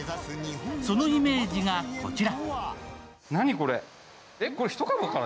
そのイメージが、こちら！